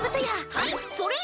はいそれ！